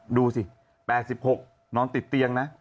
โอ้ดูสิ๘๖น้องติดเตียงนะ